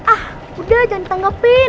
ah udah jangan ditanggepin